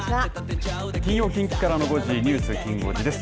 金曜近畿からの５時ニュースきん５時です。